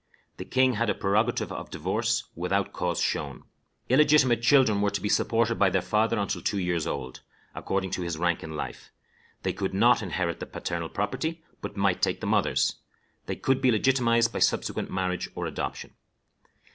The king had a prerogative of divorce, without cause shown. Illegitimate children were to be supported by their father until two years old, according to his rank in life. They could not inherit the paternal property, but might take the mother's. They could be legitimatized by subsequent marriage or adoption.